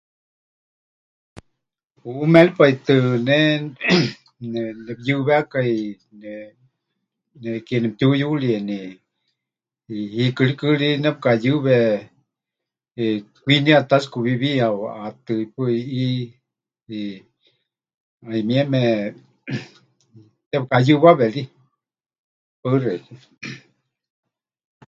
Hu, méripaitɨ ne, ejem, ne... nepɨyɨwekai, ne... ne... ke nemɨtiuyurieni, hiikɨ rikɨ ri nepɨkayɨwe, eh, kwiniya pɨtatsikuwiwiya waʼaátɨ ʼipaɨ ʼi ʼi, eh, 'ayumieme, ejem, tepɨkayɨwawe ri. Paɨ xeikɨ́a.